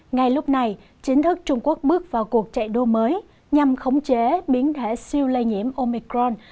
ngay lúc này chính thức trung quốc bước vào cuộc chạy đua mới nhằm khống chế biến thể siêu lây nhiễm omicron